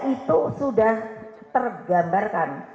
itu sudah tergambarkan